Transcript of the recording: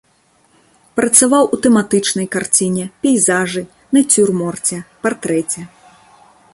Працаваў у тэматычнай карціне, пейзажы, нацюрморце, партрэце.